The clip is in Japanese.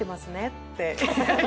って。